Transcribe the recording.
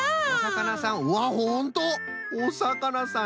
おさかなさん